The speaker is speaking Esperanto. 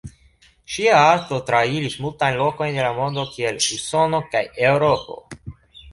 Ŝia arto trairis multajn lokojn de la mondo kiel Usono kaj Eŭropo.